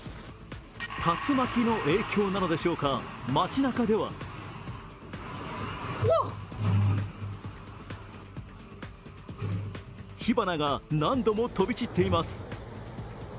竜巻の影響なのでしょうか、街なかでは火花が何度も飛び散っています。